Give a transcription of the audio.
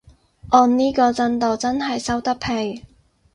按呢個進度真係收得皮